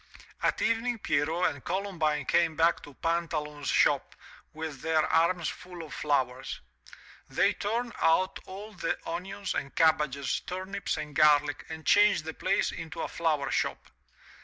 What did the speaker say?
At evening Pierrot and Columbine came back to Pantaloon's shop with their arms full of flowers. They turned out all the onions and cabbages, turnips and garlic, and changed the place into a flower shop.